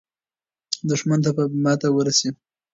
دښمن ته به ماته ورسي.